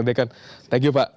thank you pak